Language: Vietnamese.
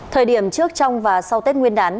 thời điểm trước trong và sau tết nguyên đán